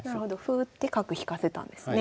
歩打って角引かせたんですね。